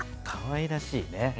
かわいらしいね。